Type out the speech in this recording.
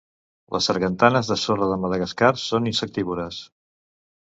Les sargantanes de sorra de Madagascar són insectívores.